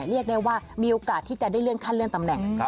เรียกได้ว่ามีโอกาสที่จะได้เลื่อนขั้นเลื่อนตำแหน่ง